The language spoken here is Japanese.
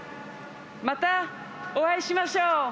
また、お会いしましょう。